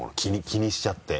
気にしちゃって。